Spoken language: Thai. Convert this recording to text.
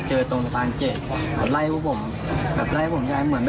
ตรงษะนี้ไล่ว่าเขลงละผมครับ